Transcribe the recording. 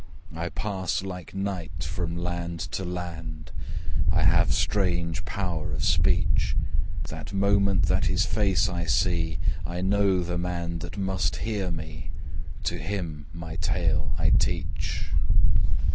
I pass, like night, from land to land; I have strange power of speech; That moment that his face I see, I know the man that must hear me: To him my tale I teach.